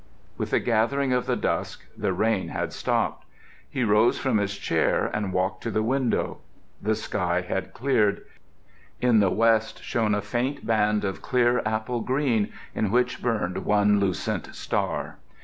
With the gathering of the dusk the rain had stopped. He rose from his chair and walked to the window. The sky had cleared; in the west shone a faint band of clear apple green in which burned one lucent star.